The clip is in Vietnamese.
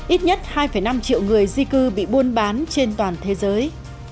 ít nhất hai năm triệu người di cư bị buôn bán trên toàn thế giới